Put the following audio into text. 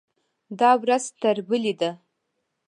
دا ورځ تر بلې ده.